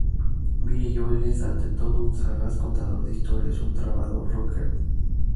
Billy Joel es, ante todo, un sagaz contador de historias, un trovador rockero.